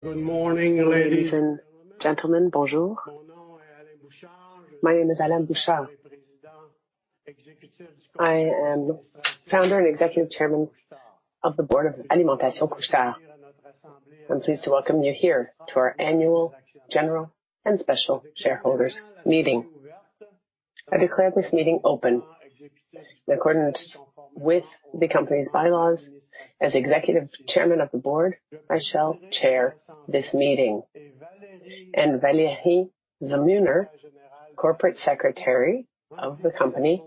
Good morning, ladies and gentlemen. Bonjour. My name is Alain Bouchard. I am founder and executive chairman of the board of Alimentation Couche-Tard. I'm pleased to welcome you here to our annual general and special shareholders' meeting. I declare this meeting open. In accordance with the company's bylaws, as executive chairman of the board, I shall chair this meeting. Valéry Zamuner, corporate secretary of the company,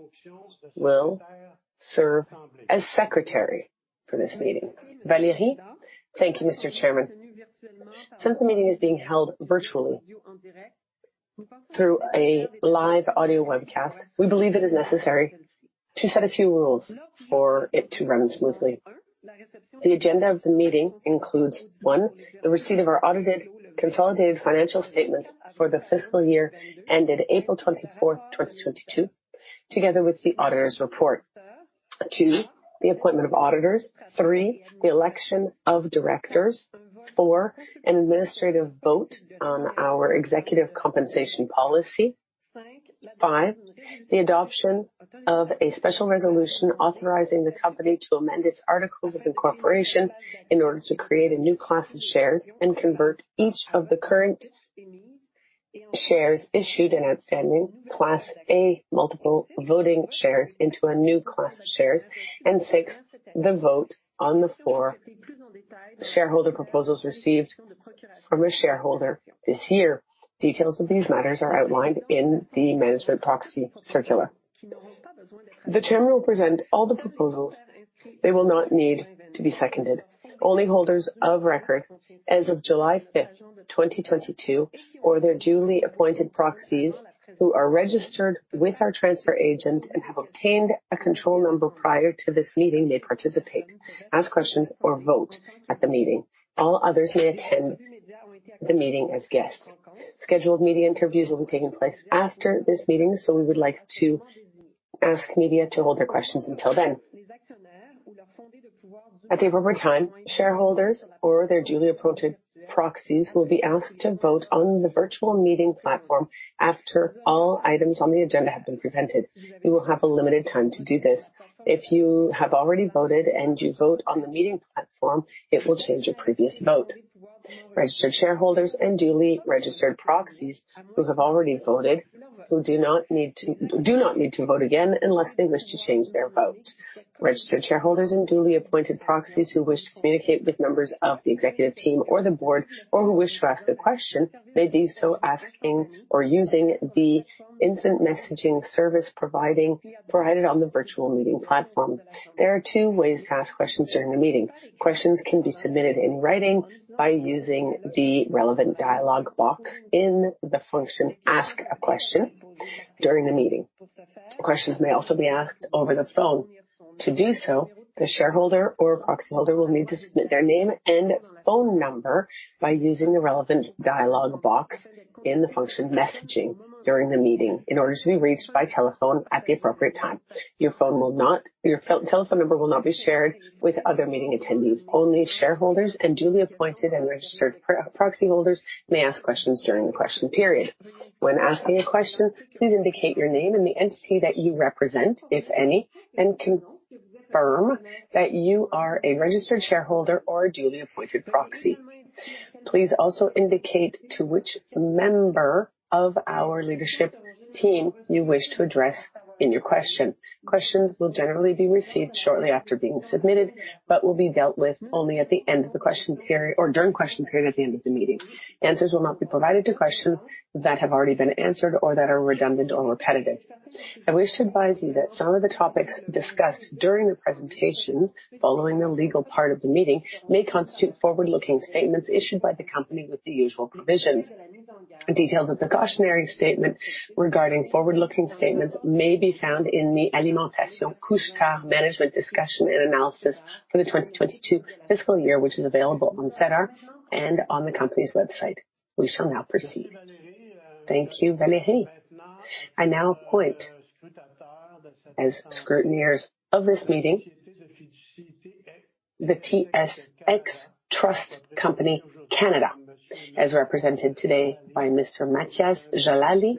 will serve as secretary for this meeting. Valéry? Thank you, Mr. Chairman. Since the meeting is being held virtually through a live audio webcast, we believe it is necessary to set a few rules for it to run smoothly. The agenda of the meeting includes, 1, the receipt of our audited consolidated financial statements for the fiscal year ended April 24, 2022, together with the auditor's report. 2, the appointment of auditors. 3, the election of directors. 4, an administrative vote on our executive compensation policy. 5, the adoption of a special resolution authorizing the company to amend its articles of incorporation in order to create a new class of shares and convert each of the current shares issued and outstanding Class A multiple voting shares into a new class of shares. 6, the vote on the 4 shareholder proposals received from a shareholder this year. Details of these matters are outlined in the management proxy circular. The chairman will present all the proposals. They will not need to be seconded. Only holders of record as of July 5, 2022, or their duly appointed proxies who are registered with our transfer agent and have obtained a control number prior to this meeting may participate, ask questions, or vote at the meeting. All others may attend the meeting as guests. Scheduled media interviews will be taking place after this meeting, so we would like to ask media to hold their questions until then. At the appropriate time, shareholders or their duly appointed proxies will be asked to vote on the virtual meeting platform after all items on the agenda have been presented. You will have a limited time to do this. If you have already voted and you vote on the meeting platform, it will change your previous vote. Registered shareholders and duly registered proxies who have already voted do not need to vote again unless they wish to change their vote. Registered shareholders and duly appointed proxies who wish to communicate with members of the executive team or the board or who wish to ask a question may do so asking or using the instant messaging service provided on the virtual meeting platform. There are two ways to ask questions during the meeting. Questions can be submitted in writing by using the relevant dialog box in the function Ask a Question during the meeting. Questions may also be asked over the phone. To do so, the shareholder or proxy holder will need to submit their name and phone number by using the relevant dialog box in the function Messaging during the meeting in order to be reached by telephone at the appropriate time. Your telephone number will not be shared with other meeting attendees. Only shareholders and duly appointed and registered proxy holders may ask questions during the question period. When asking a question, please indicate your name and the entity that you represent, if any, and confirm that you are a registered shareholder or a duly appointed proxy. Please also indicate to which member of our leadership team you wish to address in your question. Questions will generally be received shortly after being submitted, but will be dealt with only at the end of the question period or during question period at the end of the meeting. Answers will not be provided to questions that have already been answered or that are redundant or repetitive. I wish to advise you that some of the topics discussed during the presentations following the legal part of the meeting may constitute forward-looking statements issued by the company with the usual provisions. Details of the cautionary statement regarding forward-looking statements may be found in the Alimentation Couche-Tard management discussion and analysis for the 2022 fiscal year, which is available on SEDAR and on the company's website. We shall now proceed. Thank you, Valéry. I now appoint as scrutineers of this meeting the TSX Trust Company Canada, as represented today by Mr. Mathias Jalali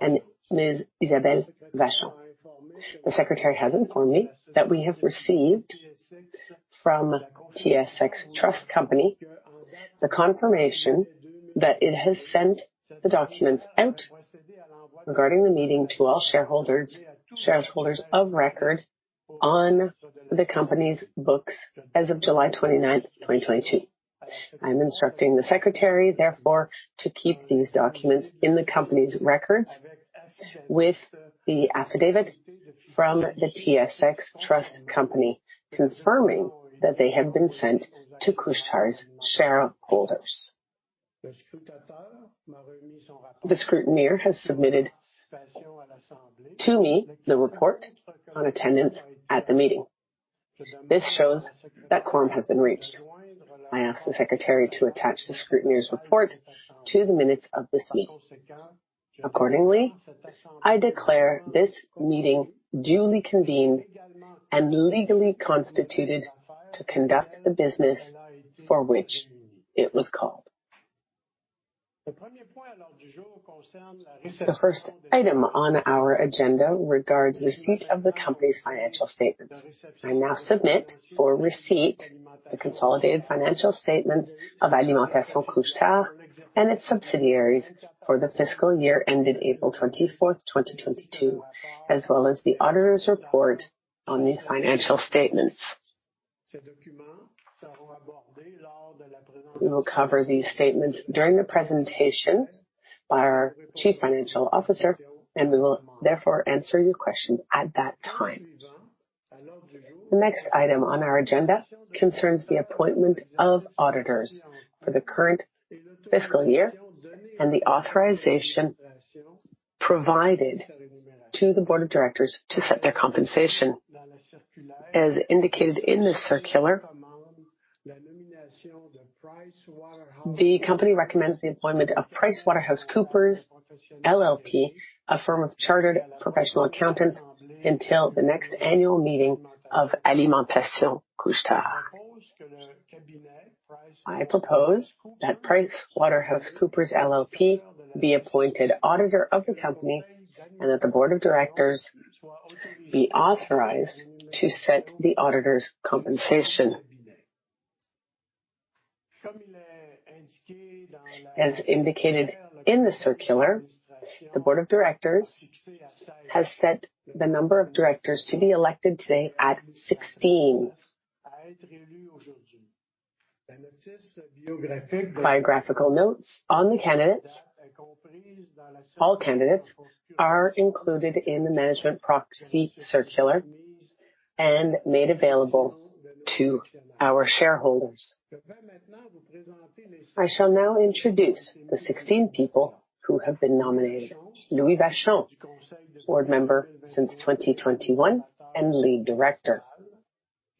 and Ms. Isabelle Vachon. The secretary has informed me that we have received from TSX Trust Company the confirmation that it has sent the documents out regarding the meeting to all shareholders of record on the company's books as of July 29, 2022. I am instructing the secretary, therefore, to keep these documents in the company's records with the affidavit from the TSX Trust Company, confirming that they have been sent to Couche-Tard's shareholders. The scrutineer has submitted to me the report on attendance at the meeting. This shows that quorum has been reached. I ask the secretary to attach the scrutineer's report to the minutes of this meeting. Accordingly, I declare this meeting duly convened and legally constituted to conduct the business for which it was called. The first item on our agenda regards receipt of the company's financial statements. I now submit for receipt the consolidated financial statement of Alimentation Couche-Tard and its subsidiaries for the fiscal year ended April 24th, 2022, as well as the auditor's report on these financial statements. We will cover these statements during the presentation by our chief financial officer, and we will therefore answer your question at that time. The next item on our agenda concerns the appointment of auditors for the current fiscal year and the authorization provided to the board of directors to set their compensation. As indicated in this circular, the company recommends the appointment of PricewaterhouseCoopers, LLP, a firm of chartered professional accountants, until the next annual meeting of Alimentation Couche-Tard. I propose that PricewaterhouseCoopers, LLP, be appointed auditor of the company and that the board of directors be authorized to set the auditor's compensation. As indicated in the circular, the board of directors has set the number of directors to be elected today at 16. Biographical notes on the candidates, all candidates, are included in the management proxy circular and made available to our shareholders. I shall now introduce the 16 people who have been nominated. Louis Vachon, Board Member since 2021 and Lead Director.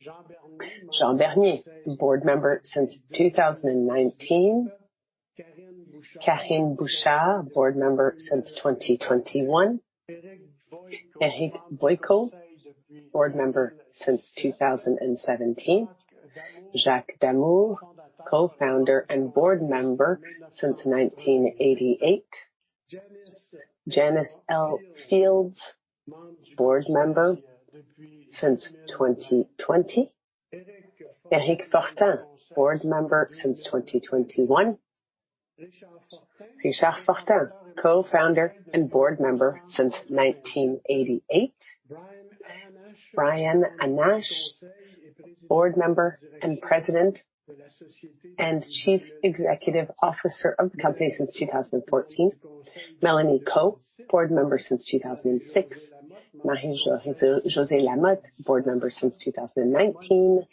Jean Bernier, Board Member since 2019. Karinne Bouchard, Board Member since 2021. Eric Boyko, Board Member since 2017. Jacques D'Amours, Co-founder and Board Member since 1988. Janice L. Fields, Board Member since 2020. Eric Fortin, Board Member since 2021. Richard Fortin, Co-founder and Board Member since 1988. Brian Hannasch, Board Member and President and Chief Executive Officer of the company since 2014. Mélanie Kau, Board Member since 2006. Marie-Josée Lamothe, Board Member since 2019.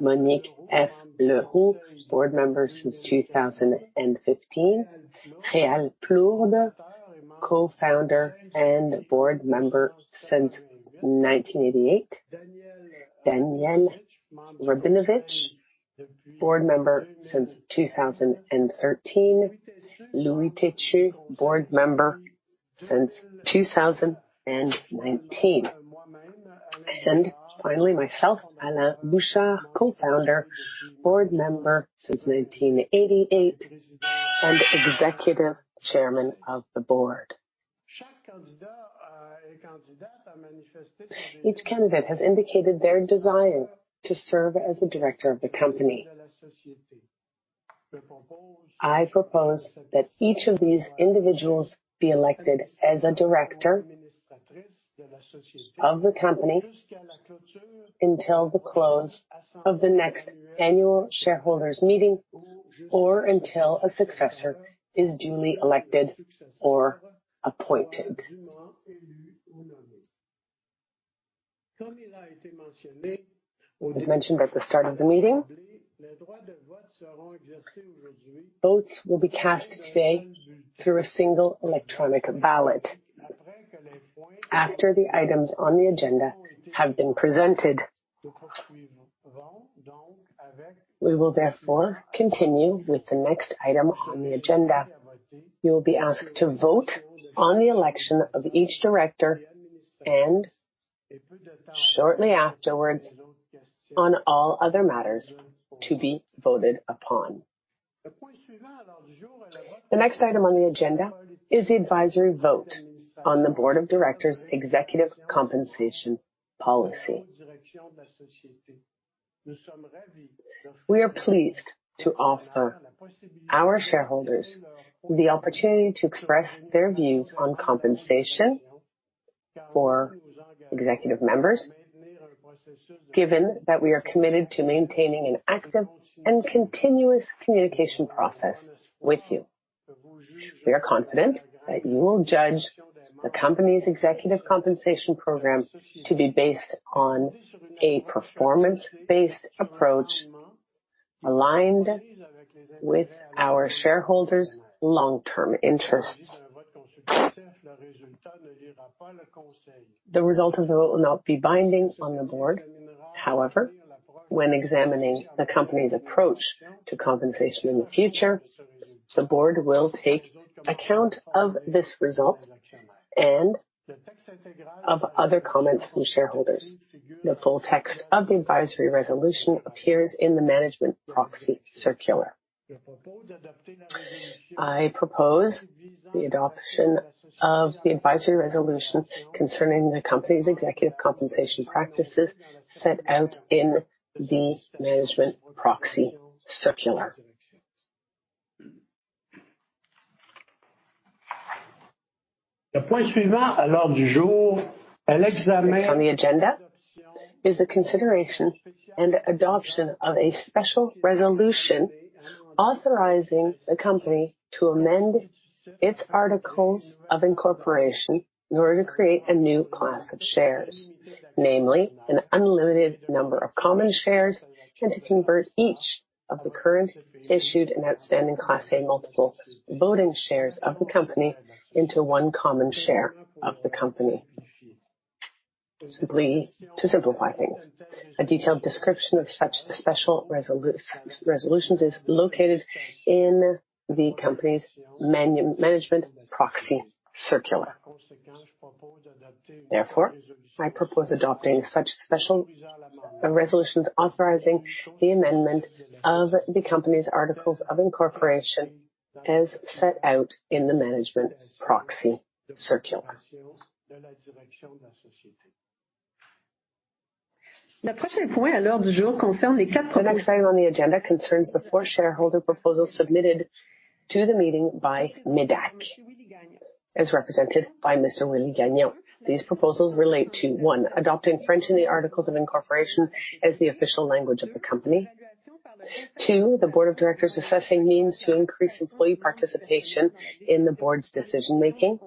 Monique F. Leroux, Board Member since 2015. Réal Plourde, Co-founder and Board Member since 1988. Daniel Rabinowicz, Board Member since 2013. Louis Têtu, Board Member since 2019. Finally, myself, Alain Bouchard, Co-founder, Board Member since 1988 and Executive Chairman of the Board. Each candidate has indicated their desire to serve as a director of the company. I propose that each of these individuals be elected as a director of the company until the close of the next annual shareholders meeting or until a successor is duly elected or appointed. As mentioned at the start of the meeting, votes will be cast today through a single electronic ballot. After the items on the agenda have been presented, we will therefore continue with the next item on the agenda. You will be asked to vote on the election of each director and shortly afterwards, on all other matters to be voted upon. The next item on the agenda is the advisory vote on the board of directors' executive compensation policy. We are pleased to offer our shareholders the opportunity to express their views on compensation for executive members, given that we are committed to maintaining an active and continuous communication process with you. We are confident that you will judge the company's executive compensation program to be based on a performance-based approach aligned with our shareholders' long-term interests. The result of the vote will not be binding on the board. However, when examining the company's approach to compensation in the future, the board will take account of this result and of other comments from shareholders. The full text of the advisory resolution appears in the management proxy circular. I propose the adoption of the advisory resolution concerning the company's executive compensation practices set out in the management proxy circular. The next on the agenda is the consideration and adoption of a special resolution authorizing the company to amend its articles of incorporation in order to create a new class of shares, namely an unlimited number of common shares, and to convert each of the current issued and outstanding Class A multiple voting shares of the company into one common share of the company. Simply to simplify things, a detailed description of such special resolutions is located in the company's management proxy circular. Therefore, I propose adopting such special resolutions authorizing the amendment of the company's articles of incorporation as set out in the management proxy circular. The next item on the agenda concerns the four shareholder proposals submitted to the meeting by MÉDAC, as represented by Mr. Willie Gagnon. These proposals relate to, one, adopting French in the articles of incorporation as the official language of the company. Two, the board of directors assessing means to increase employee participation in the board's decision-making.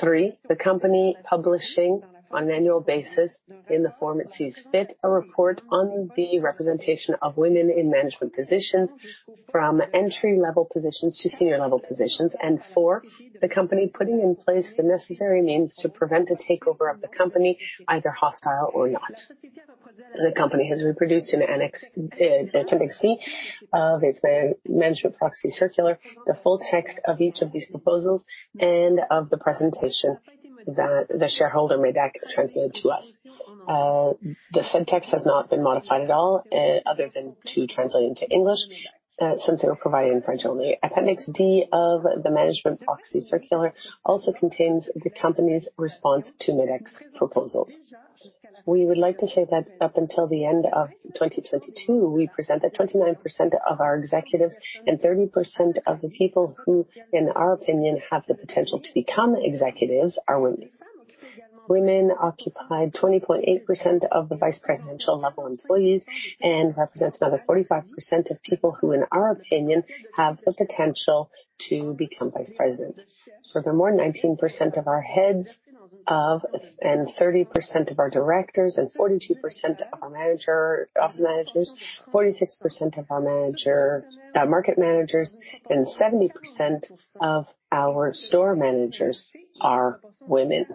Three, the company publishing on an annual basis in the form it sees fit, a report on the representation of women in management positions from entry-level positions to senior-level positions. Four, the company putting in place the necessary means to prevent a takeover of the company, either hostile or not. The company has reproduced in annex, appendix C of its management proxy circular, the full text of each of these proposals and of the presentation that the shareholder MÉDAC translated to us. The said text has not been modified at all other than to translate into English, since they were provided in French only. Appendix D of the management proxy circular also contains the company's response to MÉDAC's proposals. We would like to say that up until the end of 2022, we present that 29% of our executives and 30% of the people who, in our opinion, have the potential to become executives are women. Women occupied 20.8% of the vice presidential level employees and represents another 45% of people who, in our opinion, have the potential to become vice presidents. Furthermore, thirty percent of our directors and forty-two percent of our manager, office managers, forty-six percent of our manager, market managers, and seventy percent of our store managers are women.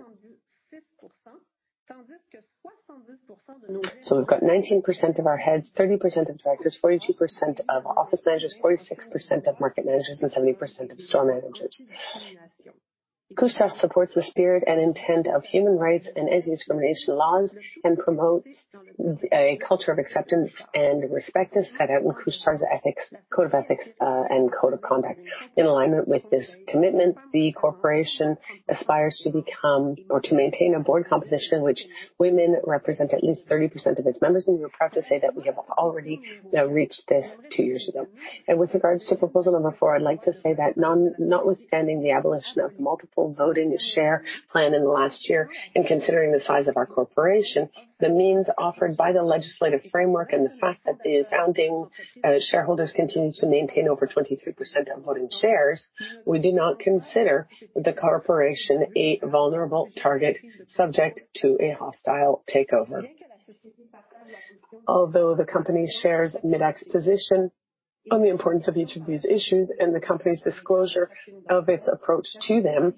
We've got nineteen percent of our heads, thirty percent of directors, forty-two percent of office managers, forty-six percent of market managers, and seventy percent of store managers. Couche-Tard supports the spirit and intent of human rights and anti-discrimination laws and promotes a culture of acceptance and respect as set out in Couche-Tard's ethics, Code of Ethics, and Code of Conduct. In alignment with this commitment, the corporation aspires to become or to maintain a board composition in which women represent at least 30% of its members. We're proud to say that we have already, you know, reached this two years ago. With regards to proposal number four, I'd like to say that notwithstanding the abolition of the multiple voting share plan in the last year and considering the size of our corporation, the means offered by the legislative framework and the fact that the founding shareholders continue to maintain over 23% of voting shares, we do not consider the corporation a vulnerable target subject to a hostile takeover. Although the company shares MÉDAC's position on the importance of each of these issues and the company's disclosure of its approach to them,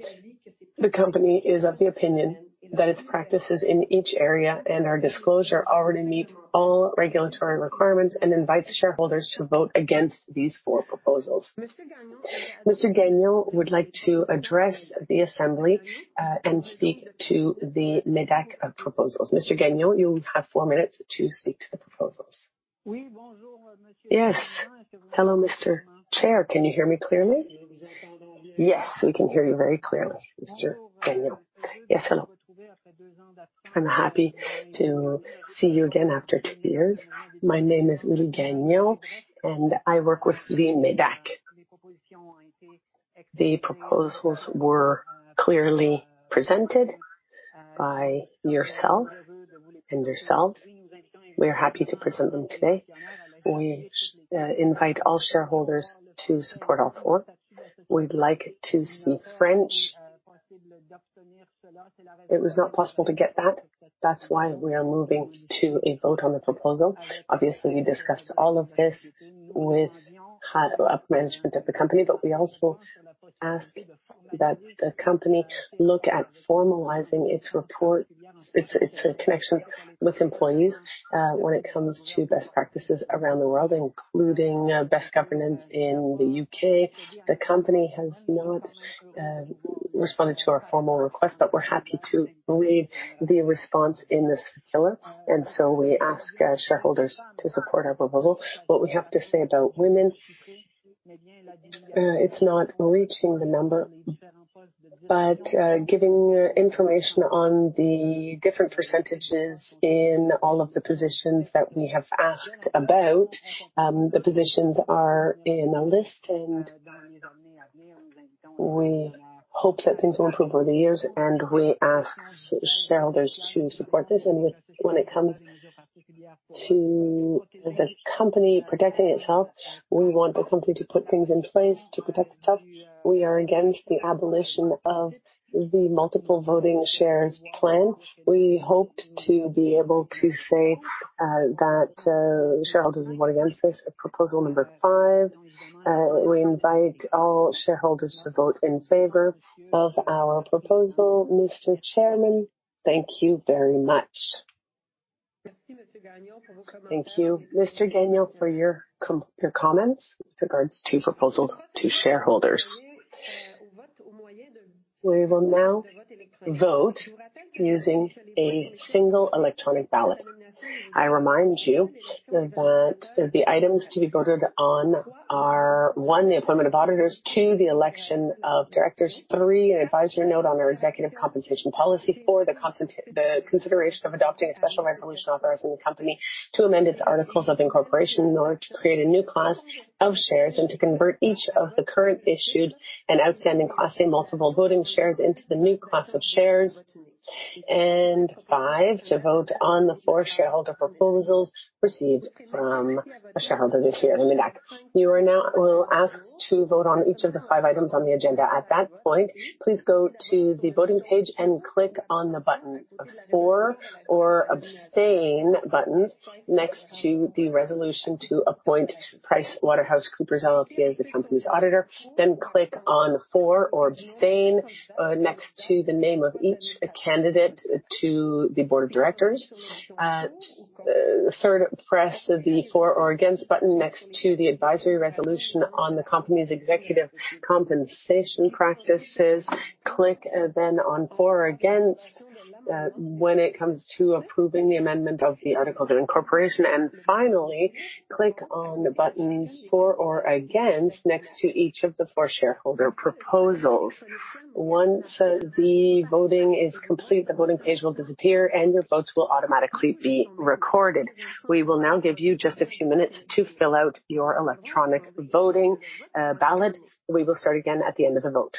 the company is of the opinion that its practices in each area and our disclosure already meet all regulatory requirements and invites shareholders to vote against these four proposals. Mr. Gagnon would like to address the assembly and speak to the MÉDAC proposals. Mr. Gagnon, you have four minutes to speak to the proposals. Yes. Hello, Mr. Chair. Can you hear me clearly? Yes, we can hear you very clearly, Mr. Gagnon. Yes, hello. I'm happy to see you again after two years. My name is Willie Gagnon, and I work with the MÉDAC. The proposals were clearly presented by yourself and yourselves. We are happy to present them today. We invite all shareholders to support all four. We'd like to see French. It was not possible to get that. That's why we are moving to a vote on the proposal. Obviously, we discussed all of this with higher management of the company, but we also ask that the company look at formalizing its report, its connection with employees, when it comes to best practices around the world, including best governance in the U.K. The company has not responded to our formal request, but we're happy to read the response in the circular, and so we ask as shareholders to support our proposal. What we have to say about women, it's not reaching the number, but giving information on the different percentages in all of the positions that we have asked about, the positions are in a list, and we hope that things will improve over the years, and we ask shareholders to support this. When it comes to the company protecting itself, we want the company to put things in place to protect itself. We are against the abolition of the multiple voting shares plan. We hope to be able to say that shareholders will vote against this proposal number five. We invite all shareholders to vote in favor of our proposal. Mr. Chairman, thank you very much. Thank you, Mr. Gagnon, for your comments with regards to proposals to shareholders. We will now vote using a single electronic ballot. I remind you that the items to be voted on are, 1, the appointment of auditors. 2, the election of directors. 3, an advisory vote on their executive compensation policy. 4, the concent... The consideration of adopting a special resolution authorizing the company to amend its articles of incorporation in order to create a new class of shares and to convert each of the current issued and outstanding Class A multiple voting shares into the new class of shares. Five, to vote on the four shareholder proposals received from a shareholder this year. You will now be asked to vote on each of the five items on the agenda. At that point, please go to the voting page and click on the For or Abstain button next to the resolution to appoint PricewaterhouseCoopers, LLP as the company's auditor. Then click on For or Abstain next to the name of each candidate to the board of directors. Third, press the For or Against button next to the advisory resolution on the company's executive compensation practices. Click then on For or Against, when it comes to approving the amendment of the articles of incorporation. Finally, click on the buttons For or Against next to each of the four shareholder proposals. Once the voting is complete, the voting page will disappear, and your votes will automatically be recorded. We will now give you just a few minutes to fill out your electronic voting, ballot. We will start again at the end of the vote.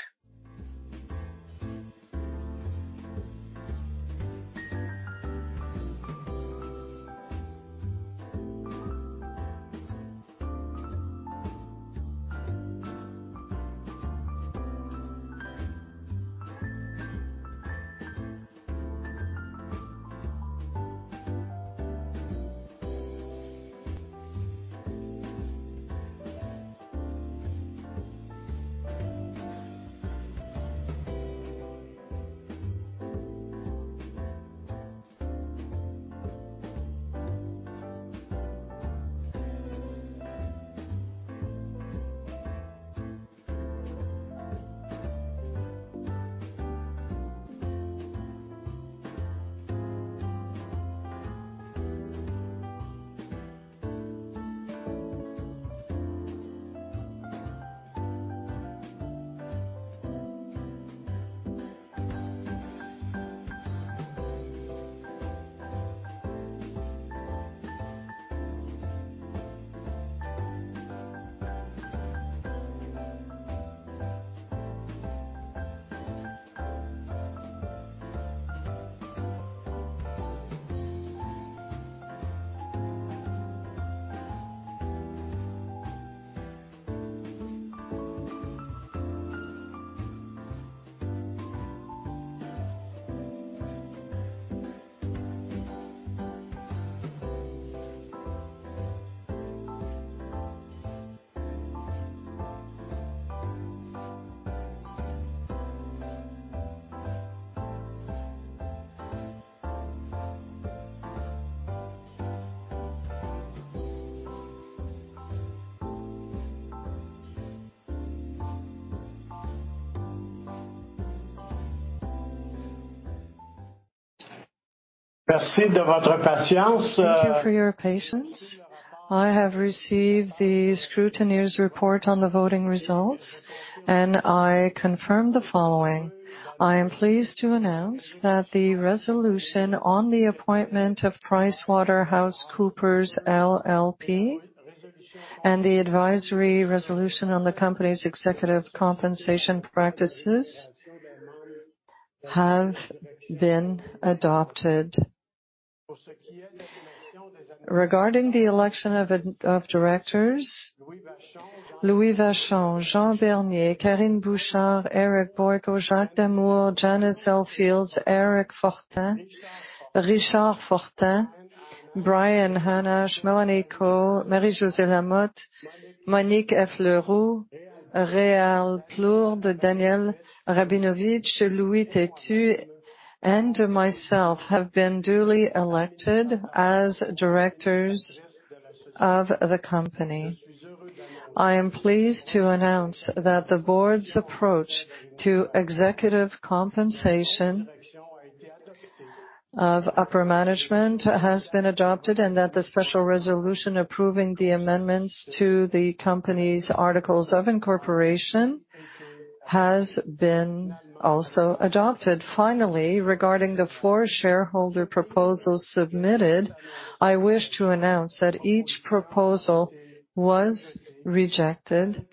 Thank you for your patience. I have received the scrutineer's report on the voting results, and I confirm the following. I am pleased to announce that the resolution on the appointment of PricewaterhouseCoopers LLP and the advisory resolution on the company's executive compensation practices have been adopted. Regarding the election of directors, Louis Vachon, Jean Bernier, Karinne Bouchard, Eric Boyko, Jacques D'Amours, Janice L. Fields, Eric Fortin, Richard Fortin, Brian Hannasch, Mélanie Kau, Marie-Josée Lamothe, Monique F. Leroux, Réal Plourde, Daniel Rabinowicz, Louis Têtu, and myself have been duly elected as directors of the company. I am pleased to announce that the board's approach to executive compensation of upper management has been adopted and that the special resolution approving the amendments to the company's articles of incorporation has been also adopted. Finally, regarding the four shareholder proposals submitted, I wish to announce that each proposal was rejected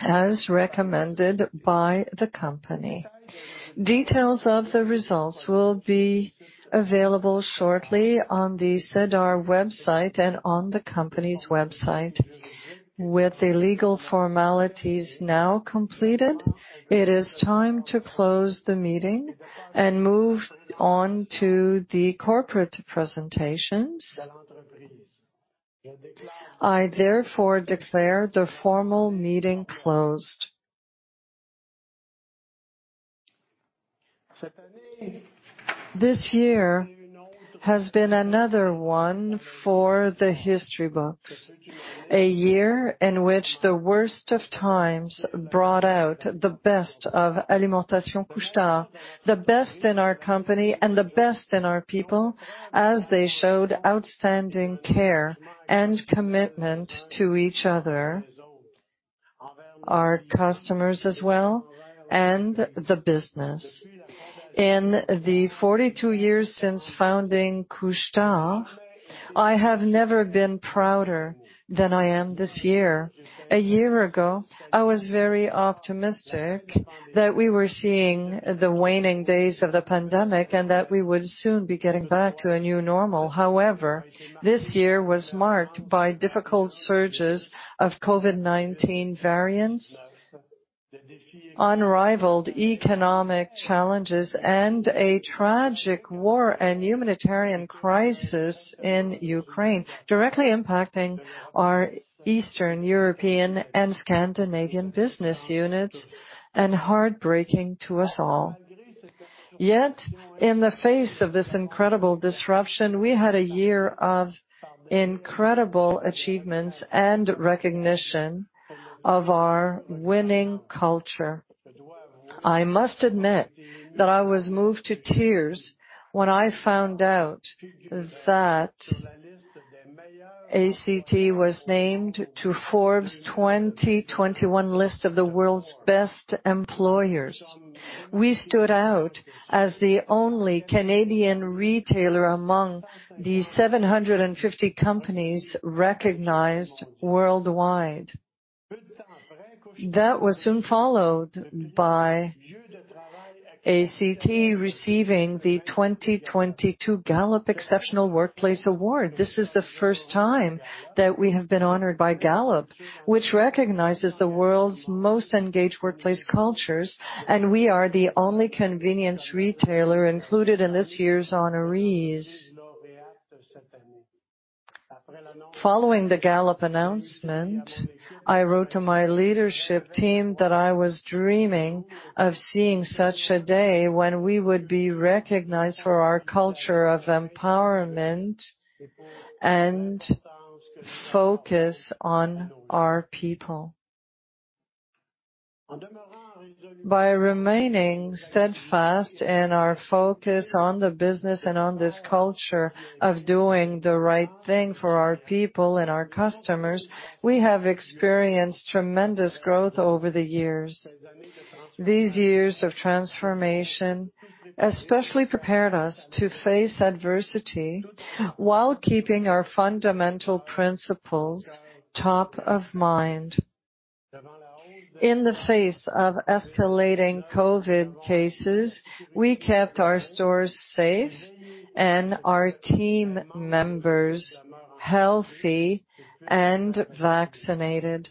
as recommended by the company. Details of the results will be available shortly on the SEDAR website and on the company's website. With the legal formalities now completed, it is time to close the meeting and move on to the corporate presentations. I therefore declare the formal meeting closed. This year has been another one for the history books. A year in which the worst of times brought out the best of Alimentation Couche-Tard, the best in our company and the best in our people as they showed outstanding care and commitment to each other, our customers as well, and the business. In the 42 years since founding Couche-Tard, I have never been prouder than I am this year. A year ago, I was very optimistic that we were seeing the waning days of the pandemic, and that we would soon be getting back to a new normal. However, this year was marked by difficult surges of COVID-19 variants, unrivaled economic challenges, and a tragic war and humanitarian crisis in Ukraine, directly impacting our Eastern European and Scandinavian business units, and heartbreaking to us all. Yet, in the face of this incredible disruption, we had a year of incredible achievements and recognition of our winning culture. I must admit that I was moved to tears when I found out that ACT was named to Forbes 2021 list of the world's best employers. We stood out as the only Canadian retailer among the 750 companies recognized worldwide. That was soon followed by ACT receiving the 2022 Gallup Exceptional Workplace Award. This is the first time that we have been honored by Gallup, which recognizes the world's most engaged workplace cultures, and we are the only convenience retailer included in this year's honorees. Following the Gallup announcement, I wrote to my leadership team that I was dreaming of seeing such a day when we would be recognized for our culture of empowerment and focus on our people. By remaining steadfast in our focus on the business and on this culture of doing the right thing for our people and our customers, we have experienced tremendous growth over the years. These years of transformation especially prepared us to face adversity while keeping our fundamental principles top of mind. In the face of escalating COVID cases, we kept our stores safe and our team members healthy and vaccinated.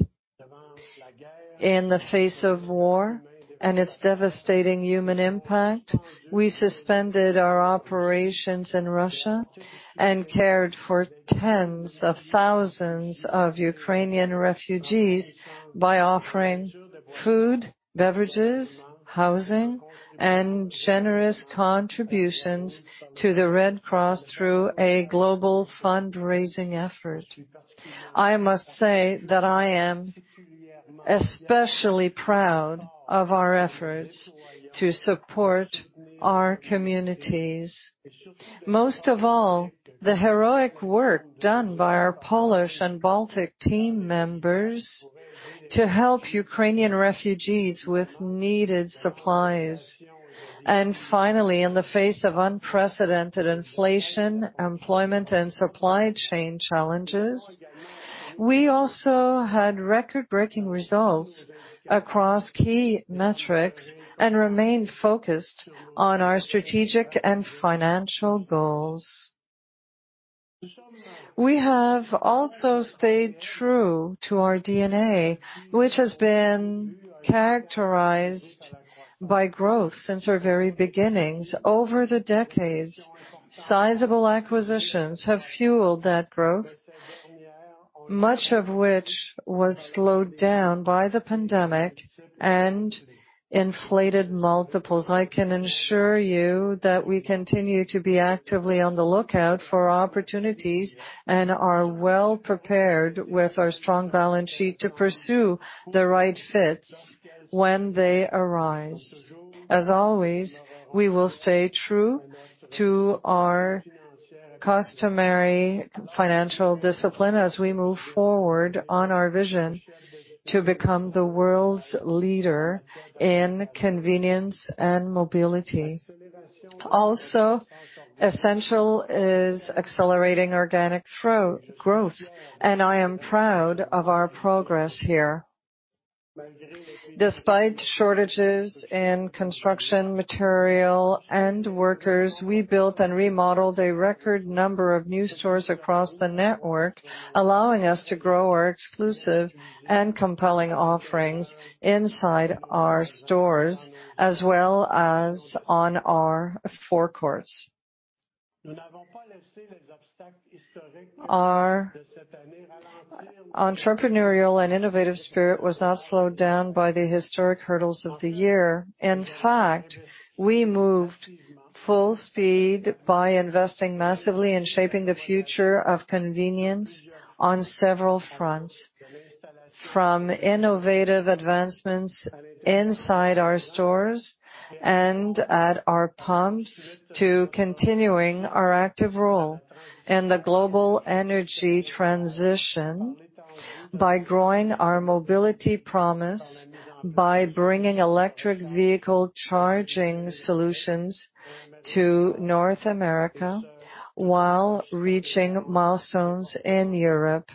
In the face of war and its devastating human impact, we suspended our operations in Russia and cared for tens of thousands of Ukrainian refugees by offering food, beverages, housing, and generous contributions to the Red Cross through a global fundraising effort. I must say that I am especially proud of our efforts to support our communities. Most of all, the heroic work done by our Polish and Baltic team members to help Ukrainian refugees with needed supplies. Finally, in the face of unprecedented inflation, employment, and supply chain challenges, we also had record-breaking results across key metrics and remained focused on our strategic and financial goals. We have also stayed true to our DNA, which has been characterized by growth since our very beginnings. Over the decades, sizable acquisitions have fueled that growth, much of which was slowed down by the pandemic and inflated multiples. I can assure you that we continue to be actively on the lookout for opportunities and are well prepared with our strong balance sheet to pursue the right fits when they arise. As always, we will stay true to our customary financial discipline as we move forward on our vision to become the world's leader in convenience and mobility. Also essential is accelerating organic growth, and I am proud of our progress here. Despite shortages in construction material and workers, we built and remodeled a record number of new stores across the network, allowing us to grow our exclusive and compelling offerings inside our stores as well as on our forecourts. Our entrepreneurial and innovative spirit was not slowed down by the historic hurdles of the year. In fact, we moved full speed by investing massively in shaping the future of convenience on several fronts, from innovative advancements inside our stores and at our pumps, to continuing our active role in the global energy transition by growing our mobility promise, by bringing electric vehicle charging solutions to North America while reaching milestones in Europe.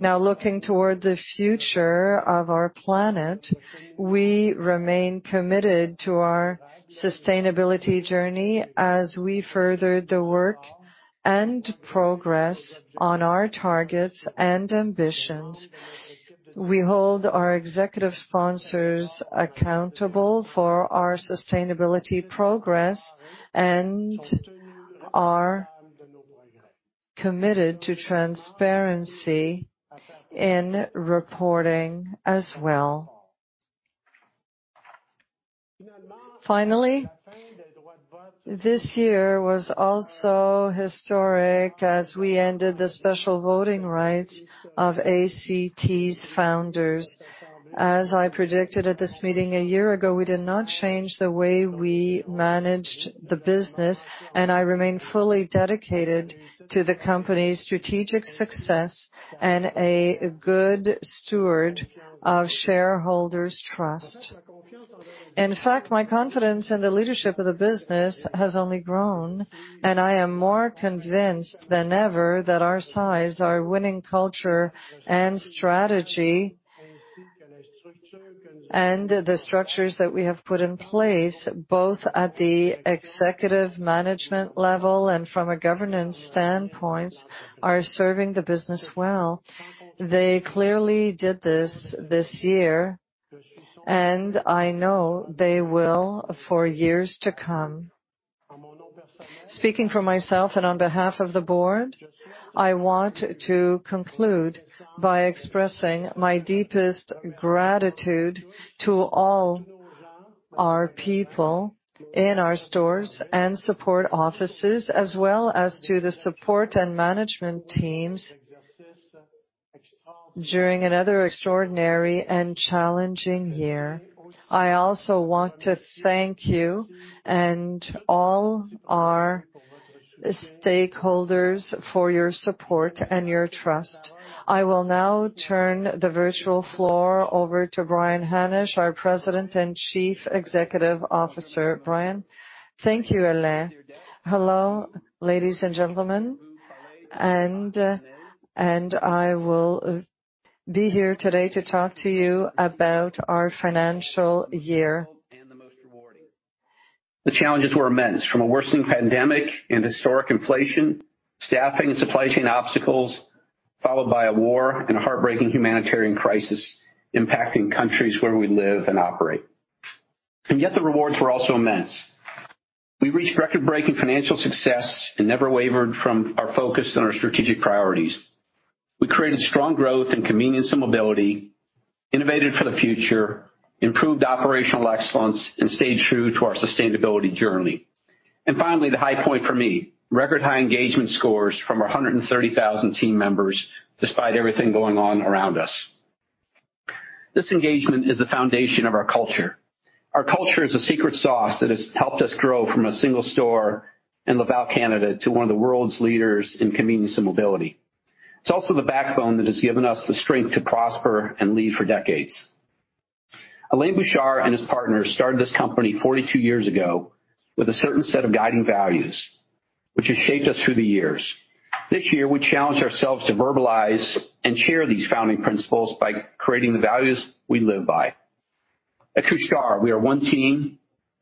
Now, looking toward the future of our planet, we remain committed to our sustainability journey as we further the work and progress on our targets and ambitions. We hold our executive sponsors accountable for our sustainability progress and are committed to transparency in reporting as well. Finally, this year was also historic as we ended the special voting rights of ACT's founders. As I predicted at this meeting a year ago, we did not change the way we managed the business, and I remain fully dedicated to the company's strategic success and a good steward of shareholders' trust. In fact, my confidence in the leadership of the business has only grown, and I am more convinced than ever that our size, our winning culture and strategy, and the structures that we have put in place, both at the executive management level and from a governance standpoint, are serving the business well. They clearly did this year, and I know they will for years to come. Speaking for myself and on behalf of the board, I want to conclude by expressing my deepest gratitude to all our people in our stores and support offices, as well as to the support and management teams during another extraordinary and challenging year. I also want to thank you and all our stakeholders for your support and your trust. I will now turn the virtual floor over to Brian Hannasch, our President and Chief Executive Officer. Brian? Thank you, Alain. Hello, ladies and gentlemen. I will be here today to talk to you about our financial year. The challenges were immense, from a worsening pandemic and historic inflation, staffing and supply chain obstacles, followed by a war and a heartbreaking humanitarian crisis impacting countries where we live and operate. Yet the rewards were also immense. We reached record-breaking financial success and never wavered from our focus on our strategic priorities. We created strong growth and convenience and mobility, innovated for the future, improved operational excellence, and stayed true to our sustainability journey. Finally, the high point for me, record high engagement scores from our 130,000 team members despite everything going on around us. This engagement is the foundation of our culture. Our culture is a secret sauce that has helped us grow from a single store in Laval, Canada, to one of the world's leaders in convenience and mobility. It's also the backbone that has given us the strength to prosper and lead for decades. Alain Bouchard and his partners started this company 42 years ago with a certain set of guiding values, which has shaped us through the years. This year, we challenged ourselves to verbalize and share these founding principles by creating the values we live by. At Couche-Tard, we are one team.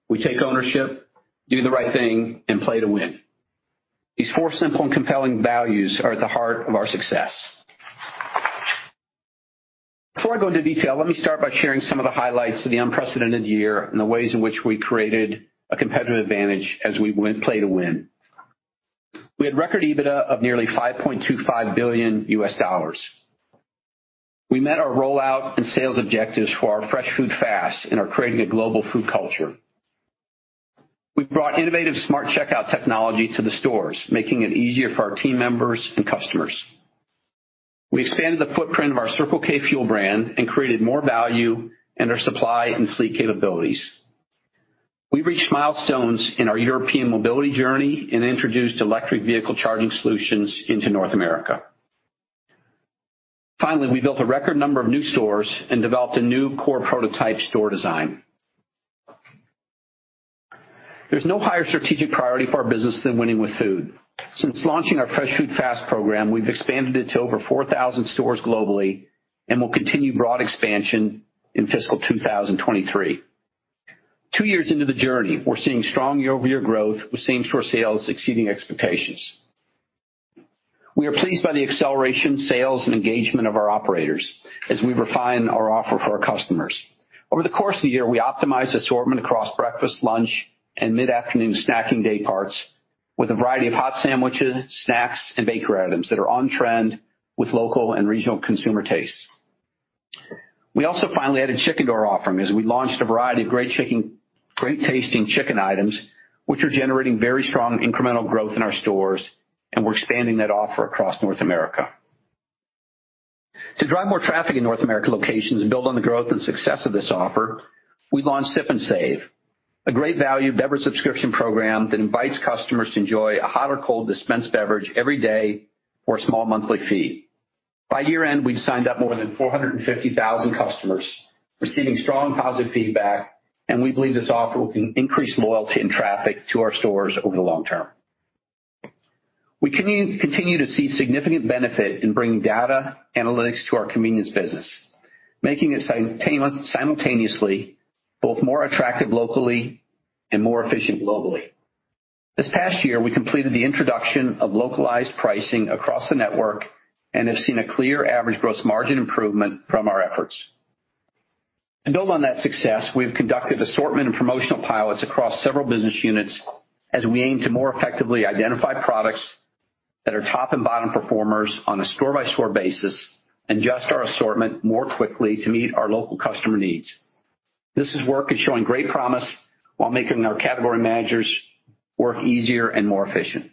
We take ownership, do the right thing, and play to win. These four simple and compelling values are at the heart of our success. Before I go into detail, let me start by sharing some of the highlights of the unprecedented year and the ways in which we created a competitive advantage as we win, play to win. We had record EBITDA of nearly $5.25 billion. We met our rollout and sales objectives for our Fresh Food, Fast and are creating a global food culture. We have brought innovative Smart Checkout technology to the stores, making it easier for our team members and customers. We expanded the footprint of our Circle K Fuel brand and created more value in our supply and fleet capabilities. We reached milestones in our European mobility journey and introduced electric vehicle charging solutions into North America. Finally, we built a record number of new stores and developed a new core prototype store design. There is no higher strategic priority for our business than winning with food. Since launching our Fresh Food, Fast program, we have expanded it to over 4,000 stores globally and will continue broad expansion in fiscal 2023. Two years into the journey, we are seeing strong year-over-year growth, with same store sales exceeding expectations. We are pleased by the acceleration, sales, and engagement of our operators as we refine our offer for our customers. Over the course of the year, we optimized assortment across breakfast, lunch, and mid-afternoon snacking day parts with a variety of hot sandwiches, snacks, and bakery items that are on trend with local and regional consumer tastes. We also finally added chicken to our offering as we launched a variety of great-tasting chicken items, which are generating very strong incremental growth in our stores, and we are expanding that offer across North America. To drive more traffic in North America locations and build on the growth and success of this offer, we launched Sip & Save, a great value beverage subscription program that invites customers to enjoy a hot or cold dispensed beverage every day for a small monthly fee. By year-end, we have signed up more than 450,000 customers, receiving strong positive feedback, and we believe this offer will increase loyalty and traffic to our stores over the long term. We continue to see significant benefit in bringing data analytics to our convenience business, making it simultaneously both more attractive locally and more efficient globally. This past year, we completed the introduction of localized pricing across the network and have seen a clear average gross margin improvement from our efforts. To build on that success, we have conducted assortment and promotional pilots across several business units as we aim to more effectively identify products that are top and bottom performers on a store-by-store basis, adjust our assortment more quickly to meet our local customer needs. This work is showing great promise while making our category managers work easier and more efficient.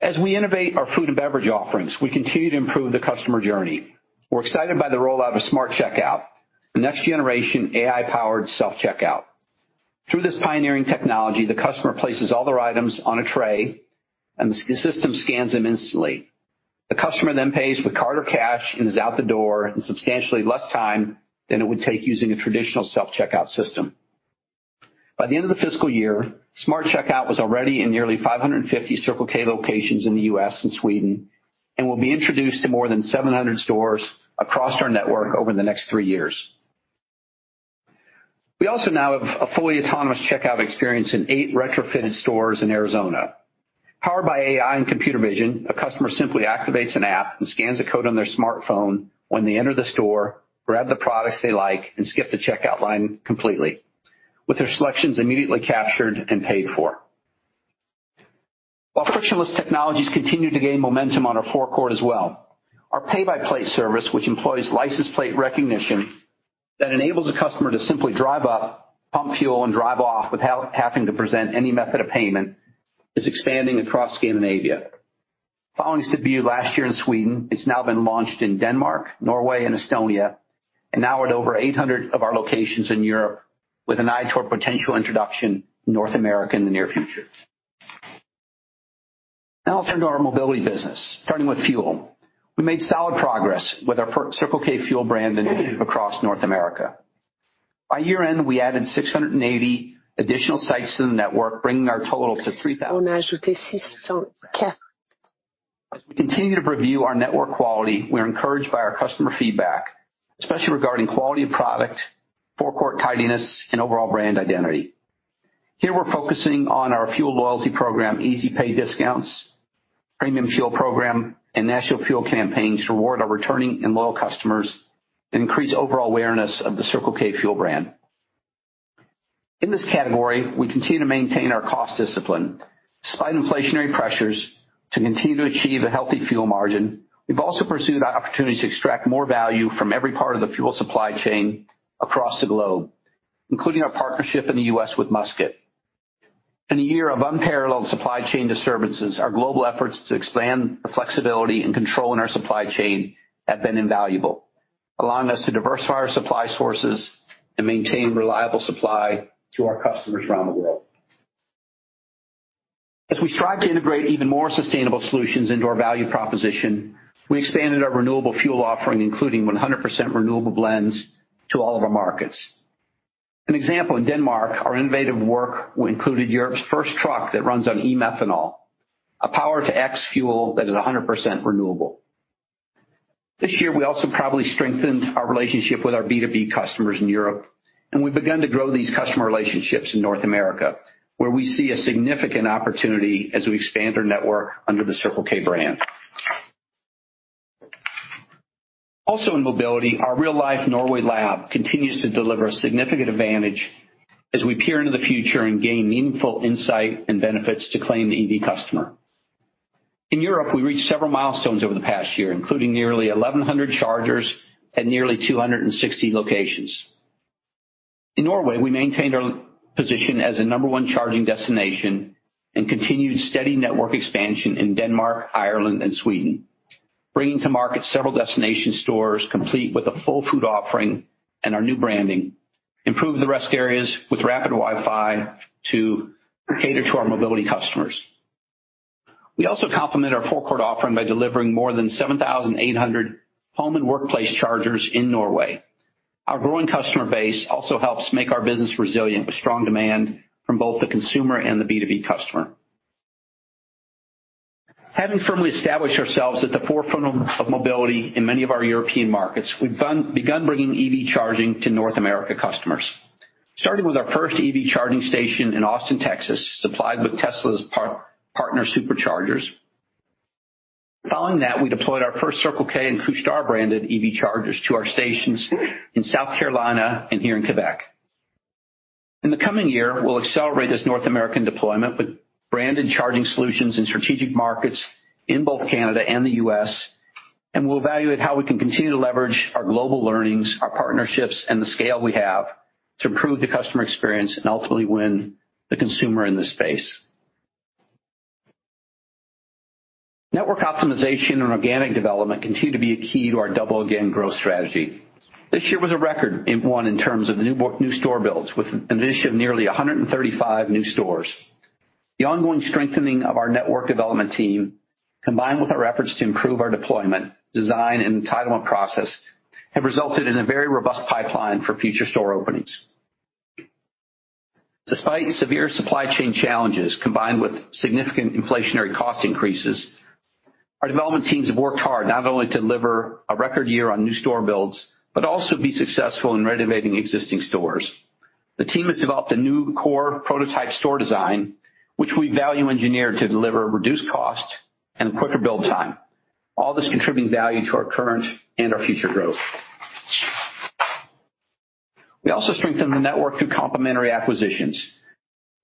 As we innovate our food and beverage offerings, we continue to improve the customer journey. We are excited by the rollout of Smart Checkout, the next generation AI-powered self-checkout. Through this pioneering technology, the customer places all their items on a tray, and the system scans them instantly. The customer then pays with card or cash and is out the door in substantially less time than it would take using a traditional self-checkout system. By the end of the fiscal year, Smart Checkout was already in nearly 550 Circle K locations in the U.S. and Sweden and will be introduced to more than 700 stores across our network over the next three years. We also now have a fully autonomous checkout experience in eight retrofitted stores in Arizona. Powered by AI and computer vision, a customer simply activates an app and scans a code on their smartphone when they enter the store, grab the products they like, and skip the checkout line completely, with their selections immediately captured and paid for. While frictionless technologies continue to gain momentum on our forecourt as well, our Pay by Plate service, which employs license plate recognition that enables a customer to simply drive up, pump fuel, and drive off without having to present any method of payment, is expanding across Scandinavia. Following its debut last year in Sweden, it's now been launched in Denmark, Norway, and Estonia, and now we are at over 800 of our locations in Europe with an eye toward potential introduction in North America in the near future. Now I will turn to our mobility business, starting with fuel. We made solid progress with our Circle K Fuel brand initiative across North America. By year-end, we added 680 additional sites to the network, bringing our total to 3,000. As we continue to review our network quality, we are encouraged by our customer feedback, especially regarding quality of product, forecourt tidiness, and overall brand identity. Here, we're focusing on our fuel loyalty program, Easy Pay discounts, premium fuel program, and national fuel campaigns to reward our returning and loyal customers and increase overall awareness of the Circle K fuel brand. In this category, we continue to maintain our cost discipline. Despite inflationary pressures to continue to achieve a healthy fuel margin, we have also pursued opportunities to extract more value from every part of the fuel supply chain across the globe, including our partnership in the U.S. with Musket. In a year of unparalleled supply chain disturbances, our global efforts to expand the flexibility and control in our supply chain have been invaluable, allowing us to diversify our supply sources and maintain reliable supply to our customers around the world. As we strive to integrate even more sustainable solutions into our value proposition, we expanded our renewable fuel offering, including 100% renewable blends to all of our markets. An example, in Denmark, our innovative work included Europe's first truck that runs on e-Methanol, a Power-to-X fuel that is 100% renewable. This year, we also probably strengthened our relationship with our B2B customers in Europe, and we have begun to grow these customer relationships in North America, where we see a significant opportunity as we expand our network under the Circle K brand. Also in mobility our real-life Norway lab continues to deliver a significant advantage as we peer into the future and gain meaningful insight and benefits to claim the EV customer. In Europe we reached several milestones over the past year, including nearly 1,100 chargers at nearly 260 locations. In Norway, we maintained our position as a number one charging destination and continued steady network expansion in Denmark, Ireland and Sweden, bringing to market several destination stores complete with a full food offering and our new branding, improved the rest areas with rapid Wi-Fi to cater to our mobility customers. We also complement our forecourt offering by delivering more than 7,800 home and workplace chargers in Norway. Our growing customer base also helps make our business resilient with strong demand from both the consumer and the B2B customer. Having firmly established ourselves at the forefront of mobility in many of our European markets, we've begun bringing EV charging to North America customers. Starting with our first EV charging station in Austin, Texas, supplied with Tesla's partner Superchargers. Following that, we deployed our first Circle K and Couche-Tard branded EV chargers to our stations in South Carolina and here in Quebec. In the coming year, we will accelerate this North American deployment with branded charging solutions in strategic markets in both Canada and the U.S., and we'll evaluate how we can continue to leverage our global learnings, our partnerships, and the scale we have to improve the customer experience and ultimately win the consumer in this space. Network optimization and organic development continue to be a key to our Double Again growth strategy. This year was a record in one in terms of new store builds with an addition of nearly 135 new stores. The ongoing strengthening of our network development team, combined with our efforts to improve our deployment, design and entitlement process, have resulted in a very robust pipeline for future store openings. Despite severe supply chain challenges combined with significant inflationary cost increases, our development teams have worked hard not only to deliver a record year on new store builds, but also be successful in renovating existing stores. The team has developed a new core prototype store design, which we value-engineered to deliver reduced cost and quicker build time, all this contributing value to our current and our future growth. We also strengthened the network through complementary acquisitions,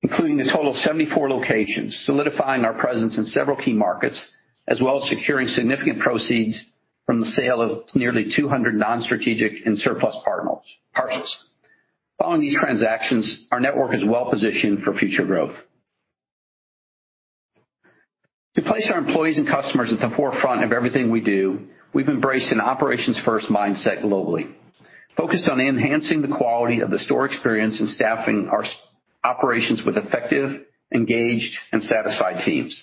including a total of 74 locations, solidifying our presence in several key markets, as well as securing significant proceeds from the sale of nearly 200 non-strategic and surplus parcels. Following these transactions, our network is well positioned for future growth. To place our employees and customers at the forefront of everything we do, we have embraced an operations first mindset globally, focused on enhancing the quality of the store experience and staffing our operations with effective, engaged, and satisfied teams.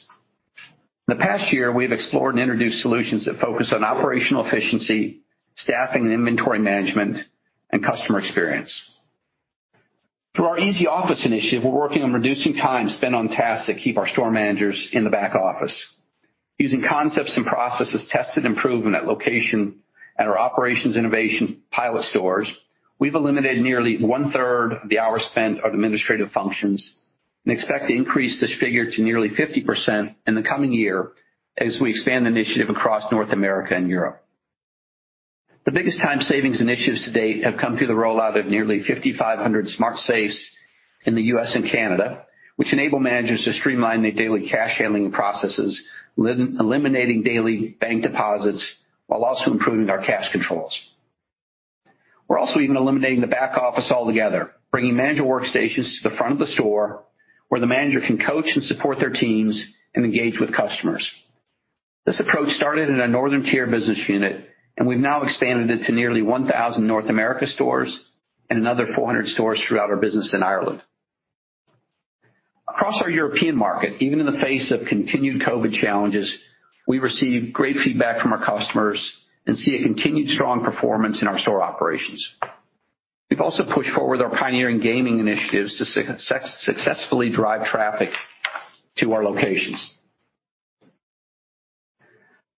In the past year, we have explored and introduced solutions that focus on operational efficiency, staffing and inventory management, and customer experience. Through our Easy Office initiative, we're working on reducing time spent on tasks that keep our store managers in the back office. Using concepts and processes tested and proven at our operations innovation pilot stores, we've eliminated nearly one-third of the hours spent on administrative functions and expect to increase this figure to nearly 50% in the coming year as we expand the initiative across North America and Europe. The biggest time savings initiatives to date have come through the rollout of nearly 5,500 smart safes in the U.S. and Canada, which enable managers to streamline their daily cash handling processes, eliminating daily bank deposits while also improving our cash controls. We're also even eliminating the back office altogether, bringing manager workstations to the front of the store where the manager can coach and support their teams and engage with customers. This approach started in our Northern Tier business unit, and we've now expanded it to nearly 1,000 North America stores and another 400 stores throughout our business in Ireland. Across our European market, even in the face of continued COVID challenges, we received great feedback from our customers and see a continued strong performance in our store operations. We've also pushed forward our pioneering gaming initiatives to successfully drive traffic to our locations.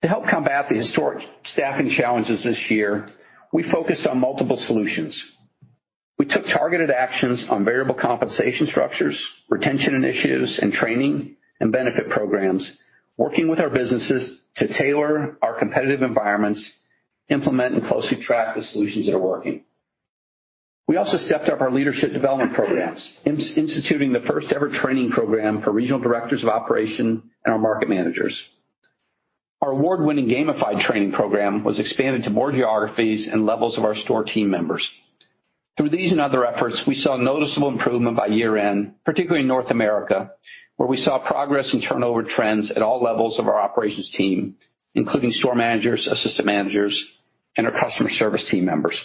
To help combat the historic staffing challenges this year, we focused on multiple solutions. We took targeted actions on variable compensation structures, retention initiatives, and training and benefit programs, working with our businesses to tailor our competitive environments, implement and closely track the solutions that are working. We also stepped up our leadership development programs, instituting the first-ever training program for regional directors of operations and our market managers. Our award-winning gamified training program was expanded to more geographies and levels of our store team members. Through these and other efforts, we saw a noticeable improvement by year-end, particularly in North America, where we saw progress in turnover trends at all levels of our operations team, including store managers, assistant managers, and our customer service team members.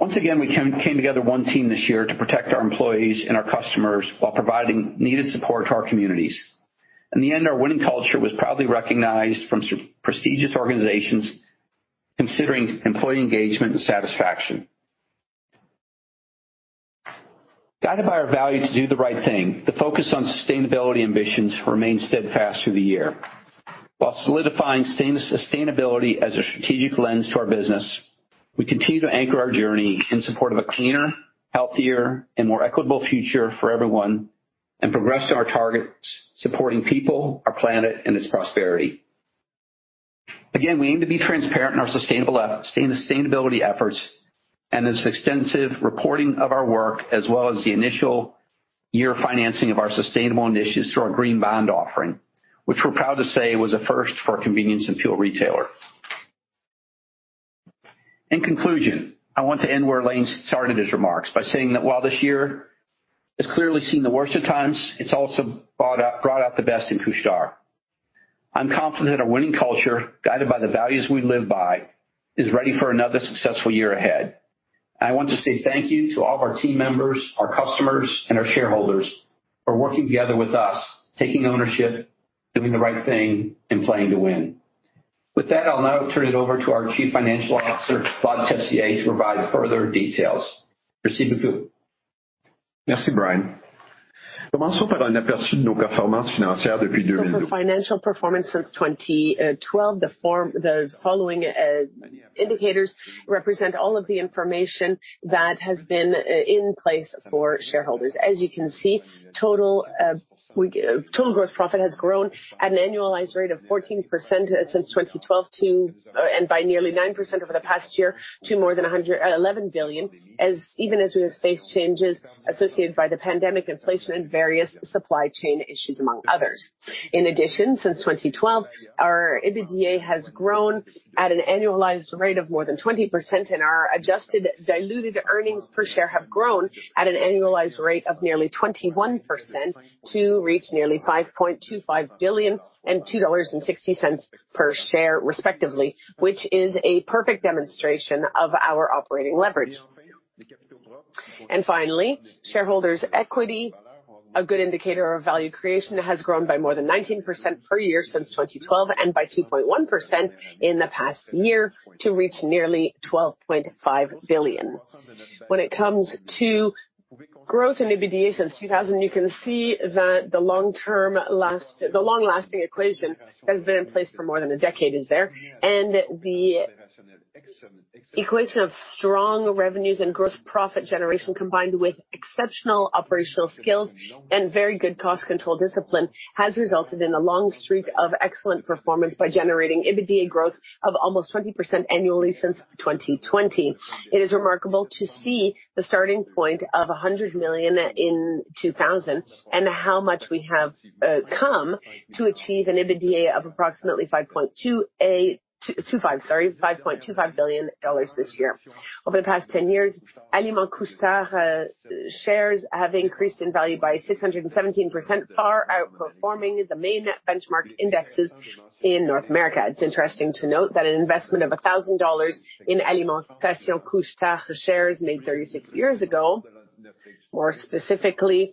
Once again, we came together one team this year to protect our employees and our customers while providing needed support to our communities. In the end, our winning culture was proudly recognized from prestigious organizations considering employee engagement and satisfaction. Guided by our value to do the right thing, the focus on sustainability ambitions remained steadfast through the year. While solidifying sustainability as a strategic lens to our business, we continue to anchor our journey in support of a cleaner, healthier, and more equitable future for everyone and progress in our targets supporting people, our planet, and its prosperity. Again, we aim to be transparent in our sustainability efforts and this extensive reporting of our work, as well as the initial year financing of our sustainable initiatives through our Green Bond offering, which we are proud to say was a first for a convenience and fuel retailer. In conclusion, I want to end where Alain started his remarks by saying that while this year has clearly seen the worst of times, it's also brought out the best in Couche-Tard. I'm confident our winning culture, guided by the values we live by, is ready for another successful year ahead. I want to say thank you to all of our team members, our customers, and our shareholders for working together with us, taking ownership, doing the right thing, and playing to win. With that, I'll now turn it over to our Chief Financial Officer, Claude Tessier, to provide further details. Yes, Brian. For financial performance since 2012, the following indicators represent all of the information that has been in place for shareholders. As you can see, total gross profit has grown at an annualized rate of 14% since 2012 and by nearly 9% over the past year to more than $111 billion, even as we have faced changes associated with the pandemic, inflation, and various supply chain issues, among others. In addition, since 2012, our EBITDA has grown at an annualized rate of more than 20%, and our adjusted diluted earnings per share have grown at an annualized rate of nearly 21% to reach nearly $5.25 billion and $2.60 per share, respectively, which is a perfect demonstration of our operating leverage. Finally, shareholders equity, a good indicator of value creation, has grown by more than 19% per year since 2012 and by 2.1% in the past year to reach nearly 12.5 billion. When it comes to growth in EBITDA since 2000, you can see that the long-lasting equation that has been in place for more than a decade is there. The equation of strong revenues and gross profit generation, combined with exceptional operational skills and very good cost control discipline, has resulted in a long streak of excellent performance by generating EBITDA growth of almost 20% annually since 2020. It is remarkable to see the starting point of 100 million in 2000 and how much we have come to achieve an EBITDA of approximately $5.25 billion this year. Over the past 10 years, Alimentation Couche-Tard shares have increased in value by 617%, far outperforming the main benchmark indexes in North America. It is interesting to note that an investment of $1,000 in Alimentation Couche-Tard shares made 36 years ago, more specifically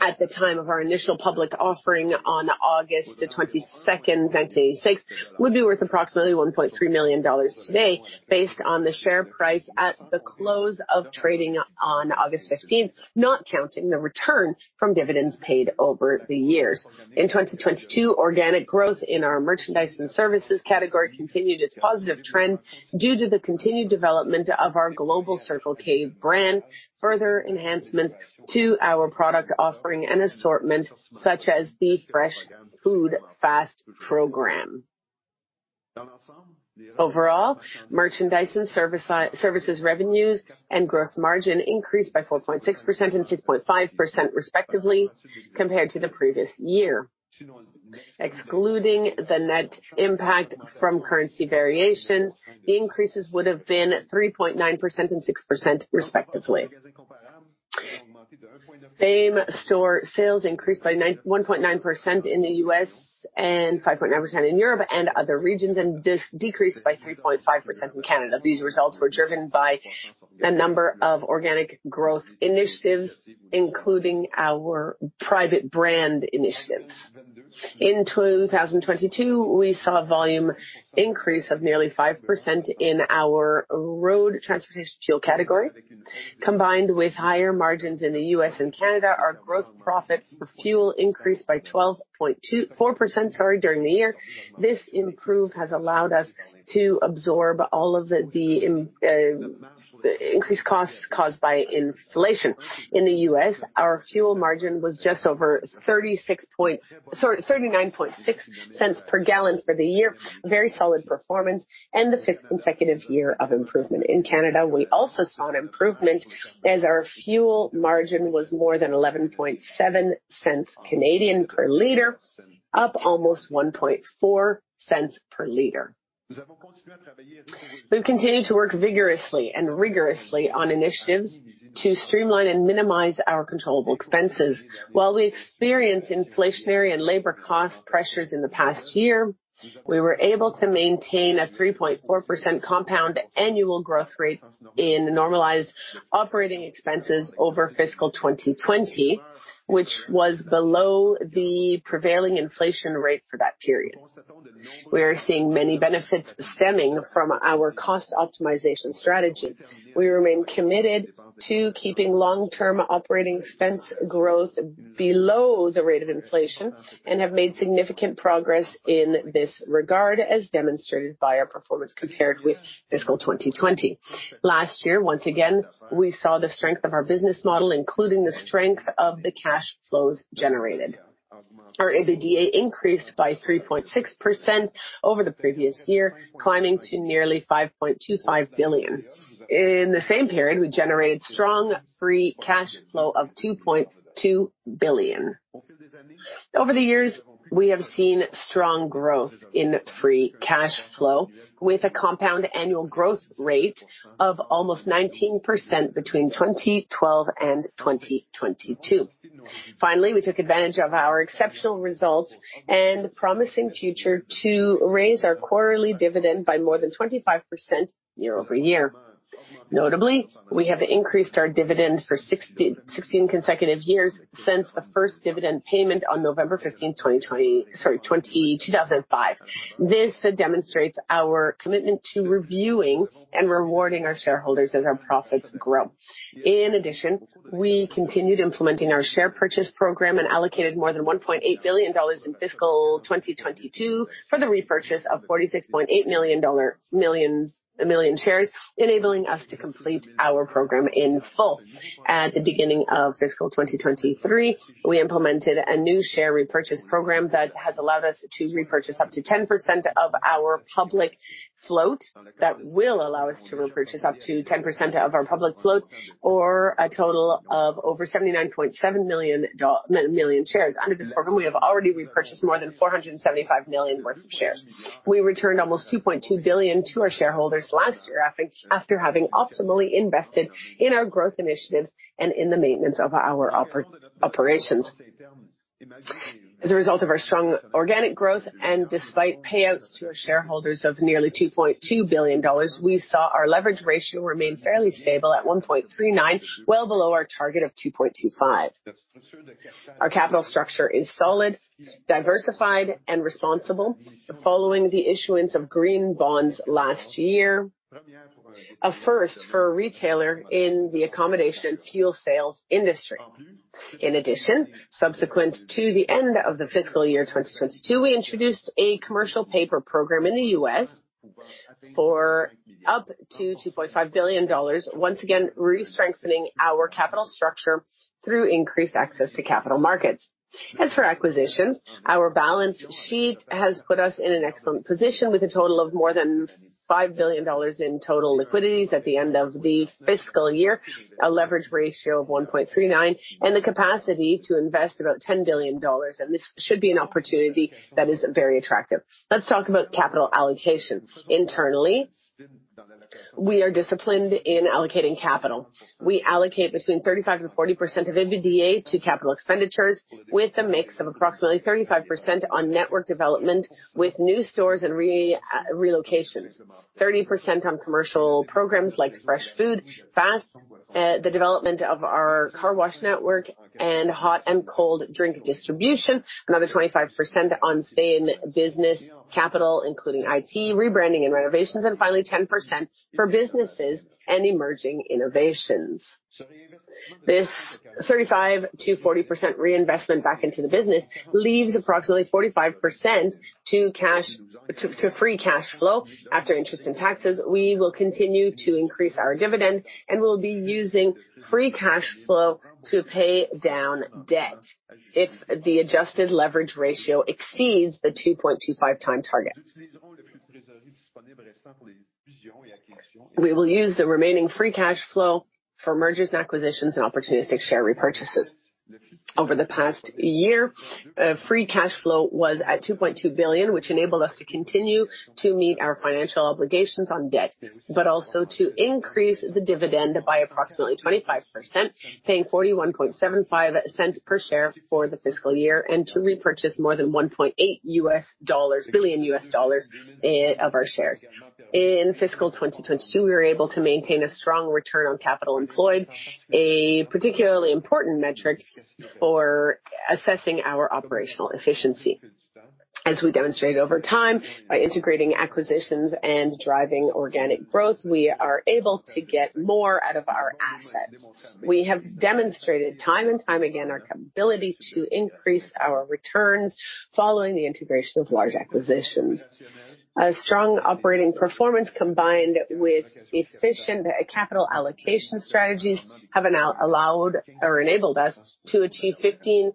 at the time of our initial public offering on August 22, 1986, would be worth approximately $1.3 million today based on the share price at the close of trading on August 15, not counting the return from dividends paid over the years. In 2022, organic growth in our merchandise and services category continued its positive trend due to the continued development of our global Circle K brand, further enhancements to our product offering and assortment such as the Fresh Food, Fast program. Overall, merchandise and services revenues and gross margin increased by 4.6% and 2.5%, respectively, compared to the previous year. Excluding the net impact from currency variation, the increases would have been 3.9% and 6%, respectively. Same-store sales increased by 1.9% in the U.S. and 5.9% in Europe and other regions, and this decreased by 3.5% in Canada. These results were driven by a number of organic growth initiatives, including our private brand initiatives. In 2022, we saw a volume increase of nearly 5% in our road transportation fuel category. Combined with higher margins in the US and Canada, our gross profit for fuel increased by 12.4%, sorry, during the year. This improvement has allowed us to absorb all of the increased costs caused by inflation. In the US, our fuel margin was just over $0.396 per gallon for the year, a very solid performance and the fifth consecutive year of improvement. In Canada, we also saw an improvement as our fuel margin was more than 0.117 per liter, up almost 0.014 per liter. We have continued to work vigorously and rigorously on initiatives to streamline and minimize our controllable expenses. While we experienced inflationary and labor cost pressures in the past year, we were able to maintain a 3.4% compound annual growth rate in normalized operating expenses over fiscal 2020, which was below the prevailing inflation rate for that period. We are seeing many benefits stemming from our cost optimization strategy. We remain committed to keeping long-term operating expense growth below the rate of inflation and have made significant progress in this regard, as demonstrated by our performance compared with fiscal 2020. Last year, once again, we saw the strength of our business model, including the strength of the cash flows generated. Our EBITDA increased by 3.6% over the previous year, climbing to nearly $5.25 billion. In the same period, we generated strong free cash flow of $2.2 billion. Over the years, we have seen strong growth in free cash flow with a compound annual growth rate of almost 19% between 2012 and 2022. Finally, we took advantage of our exceptional results and promising future to raise our quarterly dividend by more than 25% year-over-year. Notably, we have increased our dividend for 16 consecutive years since the first dividend payment on November 15th, 2005. This demonstrates our commitment to reviewing and rewarding our shareholders as our profits grow. In addition, we continued implementing our share purchase program and allocated more than $1.8 billion in fiscal 2022 for the repurchase of 46.8 million shares, enabling us to complete our program in full. At the beginning of fiscal 2023, we implemented a new share repurchase program that has allowed us to repurchase up to 10% of our public float. That will allow us to repurchase up to 10% of our public float or a total of over 79.7 million shares. Under this program, we have already repurchased more than 475 million worth of shares. We returned almost 2.2 billion to our shareholders last year, after having optimally invested in our growth initiatives and in the maintenance of our operations. As a result of our strong organic growth and despite payouts to our shareholders of nearly 2.2 billion dollars, we saw our leverage ratio remain fairly stable at 1.39, well below our target of 2.25. Our capital structure is solid, diversified, and responsible following the issuance of green bonds last year, a first for a retailer in the accommodation fuel sales industry. In addition, subsequent to the end of the fiscal year 2022, we introduced a commercial paper program in the US for up to $2.5 billion, once again re-strengthening our capital structure through increased access to capital markets. As for acquisitions, our balance sheet has put us in an excellent position with a total of more than $5 billion in total liquidities at the end of the fiscal year, a leverage ratio of 1.39, and the capacity to invest about $10 billion, and this should be an opportunity that is very attractive. Let's talk about capital allocations. Internally, we are disciplined in allocating capital. We allocate between 35%-40% of EBITDA to capital expenditures, with a mix of approximately 35% on network development with new stores and relocations. 30% on commercial programs like Fresh Food, Fast, the development of our car wash network and hot and cold drink distribution. Another 25% on same business capital, including IT, rebranding and renovations. Finally, 10% for businesses and emerging innovations. This 35%-40% reinvestment back into the business leaves approximately 45% to free cash flow after interest and taxes. We will continue to increase our dividend, and we'll be using free cash flow to pay down debt if the adjusted leverage ratio exceeds the 2.25 time target. We will use the remaining free cash flow for mergers and acquisitions and opportunistic share repurchases. Over the past year, free cash flow was at $2.2 billion, which enabled us to continue to meet our financial obligations on debt, but also to increase the dividend by approximately 25%, paying $0.4175 per share for the fiscal year, and to repurchase more than $1.8 billion of our shares. In fiscal 2022, we were able to maintain a strong return on capital employed, a particularly important metric for assessing our operational efficiency. As we demonstrate over time by integrating acquisitions and driving organic growth, we are able to get more out of our assets. We have demonstrated time and time again our ability to increase our returns following the integration of large acquisitions. A strong operating performance combined with efficient capital allocation strategies have now allowed or enabled us to achieve 15.4%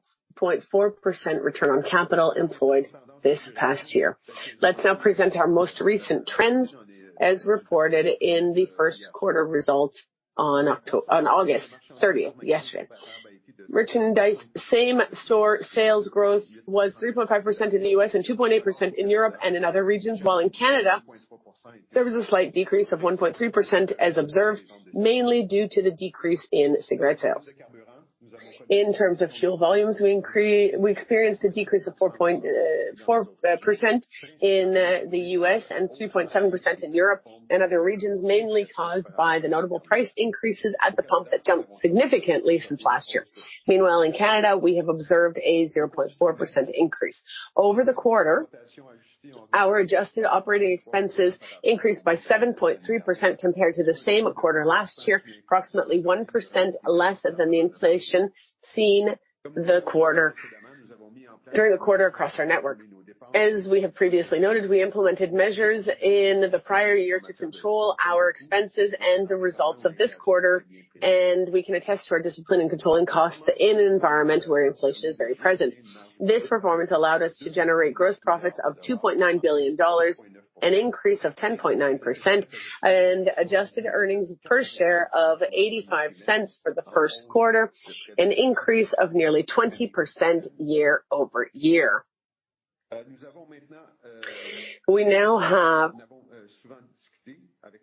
return on capital employed this past year. Let's now present our most recent trends as reported in the first quarter results on August thirtieth, yesterday. Merchandise same store sales growth was 3.5% in the US and 2.8% in Europe and in other regions, while in Canada there was a slight decrease of 1.3% as observed, mainly due to the decrease in cigarette sales. In terms of fuel volumes, we experienced a decrease of 4.4% in the US and 2.7% in Europe and other regions, mainly caused by the notable price increases at the pump that jumped significantly since last year. Meanwhile, in Canada, we have observed a 0.4% increase. Over the quarter, our adjusted operating expenses increased by 7.3% compared to the same quarter last year, approximately 1% less than the inflation seen in the quarter, during the quarter across our network. As we have previously noted, we implemented measures in the prior year to control our expenses and the results of this quarter, and we can attest to our discipline in controlling costs in an environment where inflation is very present. This performance allowed us to generate gross profits of $2.9 billion, an increase of 10.9% and adjusted earnings per share of $0.85 for the first quarter, an increase of nearly 20% year-over-year. We now have,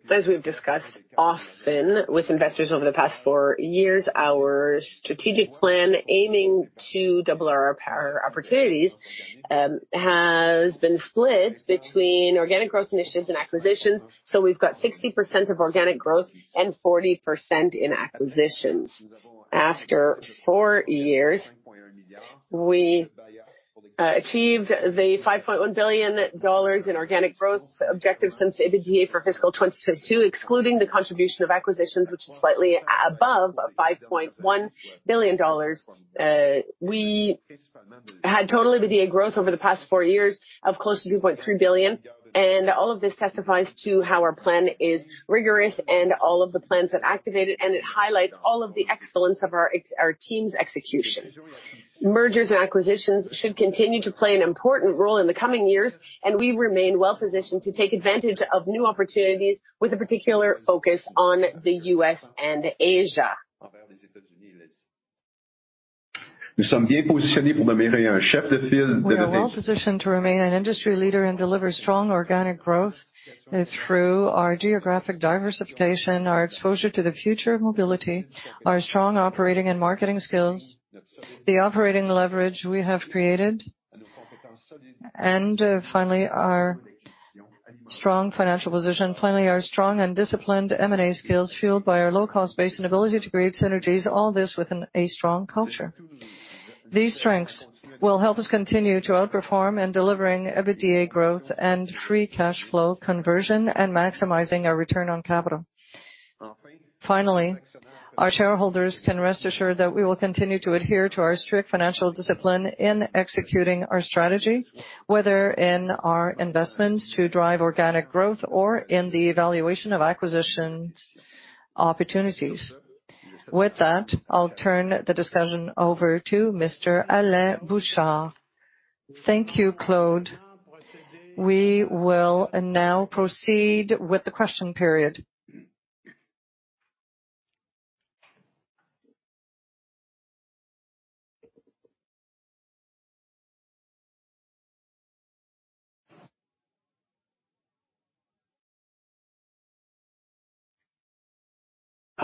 as we have discussed often with investors over the past four years, our strategic plan aiming to double our power opportunities, has been split between organic growth initiatives and acquisitions. We've got 60% organic growth and 40% in acquisitions. After four years, we achieved the $5.1 billion in organic growth objectives in EBITDA for fiscal 2022, excluding the contribution of acquisitions, which is slightly above $5.1 billion. We had total EBITDA growth over the past four years of close to $2.3 billion. All of this testifies to how our plan is rigorous and all of the plans have activated, and it highlights all of the excellence of our team's execution. Mergers and acquisitions should continue to play an important role in the coming years, and we remain well-positioned to take advantage of new opportunities with a particular focus on the U.S. and Asia. We are well-positioned to remain an industry leader and deliver strong organic growth through our geographic diversification, our exposure to the future mobility, our strong operating and marketing skills, the operating leverage we have created, and finally, our strong financial position. Finally, our strong and disciplined M&A skills fueled by our low-cost base and ability to create synergies, all this within a strong culture. These strengths will help us continue to outperform in delivering EBITDA growth and free cash flow conversion and maximizing our return on capital. Finally, our shareholders can rest assured that we will continue to adhere to our strict financial discipline in executing our strategy, whether in our investments to drive organic growth or in the evaluation of acquisitions opportunities. With that, I'll turn the discussion over to Mr. Alain Bouchard. Thank you, Claude. We will now proceed with the question period.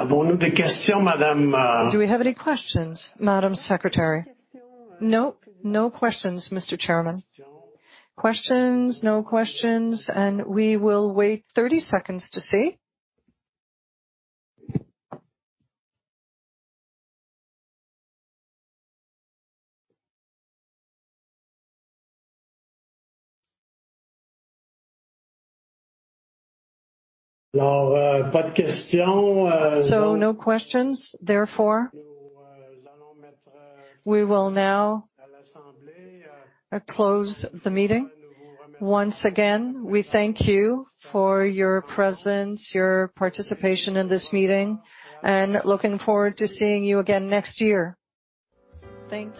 Do we have any questions, Madam Secretary? No. No questions, Mr. Chairman. Questions? No questions. We will wait 30 seconds to see. No questions. Therefore, we will now close the meeting. Once again, we thank you for your presence, your participation in this meeting, and looking forward to seeing you again next year. Thank you.